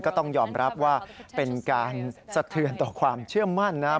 ก็ต้องยอมรับว่าเป็นการสะเทือนต่อความเชื่อมั่นนะครับ